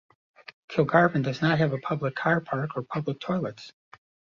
Kilgarvan does not have a public car park or public toilets.